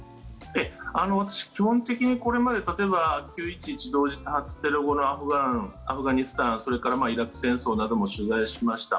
私、基本的にこれまで９・１１同時多発テロ後のアフガニスタンそれからイラク戦争なども取材しました。